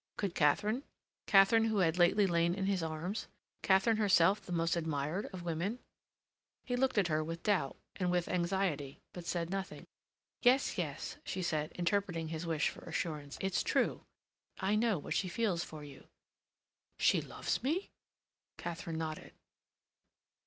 Could Katharine, Katharine who had lately lain in his arms, Katharine herself the most admired of women? He looked at her, with doubt, and with anxiety, but said nothing. "Yes, yes," she said, interpreting his wish for assurance, "it's true. I know what she feels for you." "She loves me?" Katharine nodded.